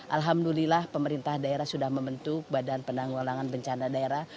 alhamdulillah pemerintah daerah sudah membentuk badan penanggulangan bencana daerah